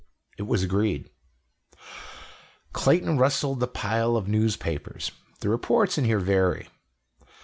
It was agreed. Clayton rustled the pile of newspapers. "The reports in here vary.